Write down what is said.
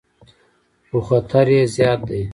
خو خطر یې زیات دی.